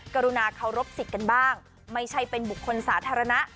กรุณาเคารพสิทธิ์กันบ้างไม่ใช่เป็นบุคคลสาธารณะ